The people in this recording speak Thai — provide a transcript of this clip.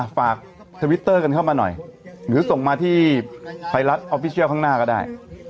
ฝากทวิตเตอร์กันเข้ามาหน่อยหรือส่งมาที่ไทยรัฐออฟฟิเชียลข้างหน้าก็ได้